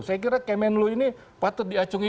saya kira kemenlu ini patut diacungi